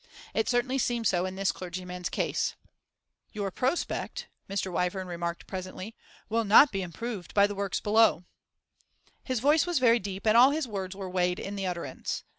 It certainly seemed so in this clergyman's case. 'Your prospect,' Mr. Wyvern remarked presently, 'will not be improved by the works below.' His voice was very deep, and all his words were weighed in the utterance.